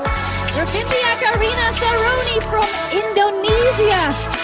revin diakarina seroni dari indonesia